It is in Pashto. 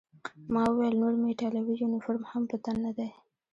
ما وویل: نور مې ایټالوي یونیفورم هم په تن نه دی.